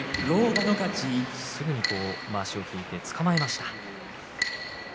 すぐにまわしを引いてつかまえました。